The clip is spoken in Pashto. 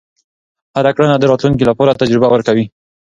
هره کړنه د راتلونکي لپاره تجربه ورکوي.